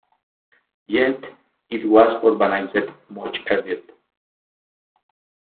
Yet, it was urbanised much earlier.